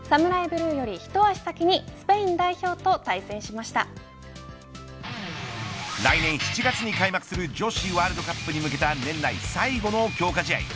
ブルーより一足先に来年７月に開幕する女子ワールドカップに向けた年内最後の強化試合。